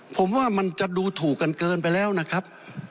ผมว่ามันจะดูถูกกันเกินไปแล้วนะครับ